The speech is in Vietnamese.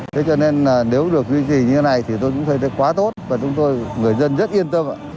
thế cho nên là nếu được duy trì như thế này thì tôi cũng thấy quá tốt và chúng tôi người dân rất yên tâm ạ